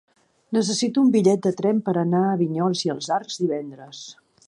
Necessito un bitllet de tren per anar a Vinyols i els Arcs divendres.